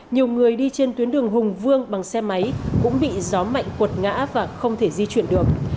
nhiều người đi trên tuyến đường hùng vương bằng xe máy cũng bị gió mạnh quật ngã và không thể di chuyển được